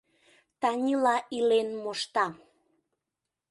Танила илен мошта: